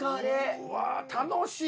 うわ楽しい。